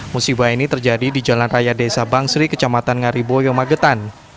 musibah ini terjadi di jalan raya desa bangsri kecamatan ngariboyo magetan